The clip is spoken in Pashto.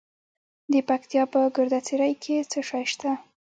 د پکتیا په ګرده څیړۍ کې څه شی شته؟